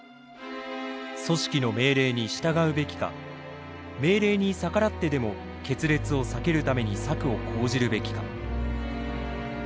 組織の命令に従うべきか命令に逆らってでも決裂を避けるために策を講じるべきか。